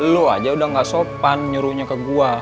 lo aja udah ga sopan nyuruhnya ke gua